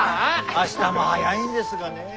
明日も早いんですがねえ。